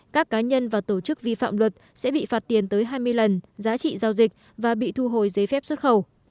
các cá nhân và tổ chức vi phạm luật sẽ bị phạt tiền tới hai mươi lần giá trị giao dịch và bị thu hồi giấy phép xuất khẩu